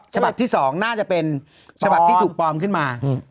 ฉบับที่๒น่าจะเป็นฉบับที่ถูกปลอมขึ้นมา